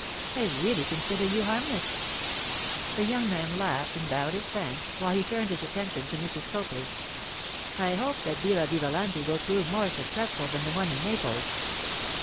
I really consider you harmless.' The young man laughed and bowed his thanks, while he turned his attention to Mrs. Copley. 'I hope that Villa Vivalanti will prove more successful than the one in Naples.